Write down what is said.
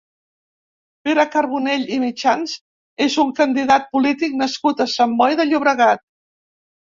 Pere Carbonell i Mitjans és un candidat polític nascut a Sant Boi de Llobregat.